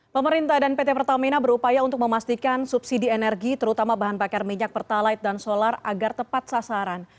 pemerintah dan pt pertamina berupaya untuk memastikan subsidi energi terutama bahan bakar minyak pertalite dan solar agar tepat sasaran